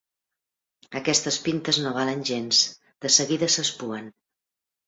Aquestes pintes no valen gens: de seguida s'espuen.